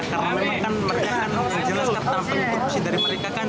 karena mereka kan menjelaskan penutup dari mereka kan